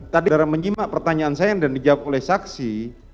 tadi saudara menyimak pertanyaan saya dan dijawab oleh saksi